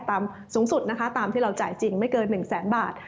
ตามสูงสุดตามที่เราจ่ายจริงไม่เกิน๑๐๐๐๐๐บาท